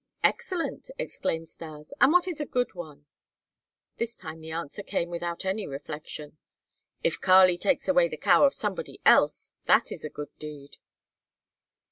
"Excellent!" exclaimed Stas, "and what is a good one?" This time the answer came without any reflection: "If Kali takes away the cow of somebody else, that is a good deed."